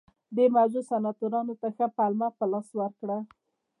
دې موضوع سناتورانو ته ښه پلمه په لاس ورکړه